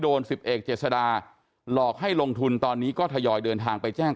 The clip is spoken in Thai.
สิบเอกเจษดาหลอกให้ลงทุนตอนนี้ก็ทยอยเดินทางไปแจ้ง